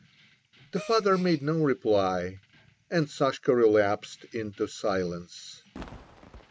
The father made no reply, and Sashka relapsed into silence.